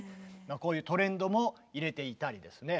こういうトレンドも入れていたりですね。